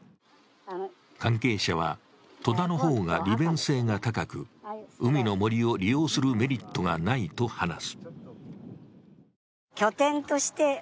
関係者は戸田の方が利便性が高く海の森を利用するメリットがないと話す。